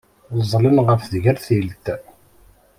Ẓẓlen ɣef tgertilt.